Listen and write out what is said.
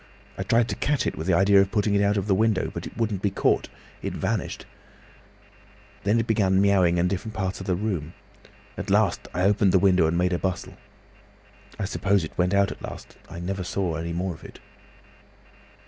I tried to catch it, with an idea of putting it out of the window, but it wouldn't be caught, it vanished. Then it began miaowing in different parts of the room. At last I opened the window and made a bustle. I suppose it went out at last. I never saw any more of it.